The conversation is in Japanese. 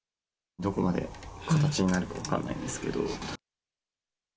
どこまで形になるか分かんないんですけど。